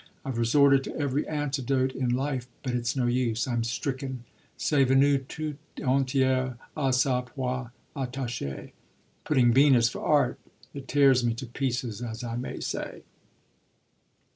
I've resorted to every antidote in life; but it's no use I'm stricken. C'est Vénus toute entière à sa proie attachée putting Venus for 'art.' It tears me to pieces as I may say."